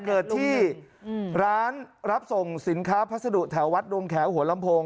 เกิดที่ร้านรับส่งสินค้าพัสดุแถววัดดงแขวหัวลำโพง